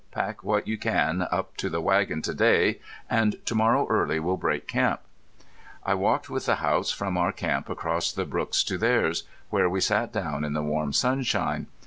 "Pack what you can up to the wagon to day, and to morrow early we'll break camp." I walked with the Haughts from our camp across the brook to theirs, where we sat down in the warm sunshine.